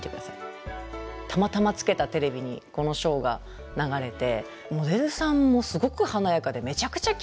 たまたまつけたテレビにこのショーが流れてモデルさんもすごく華やかで「めちゃくちゃきれいじゃない！」と。